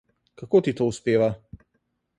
Kako ti to uspeva?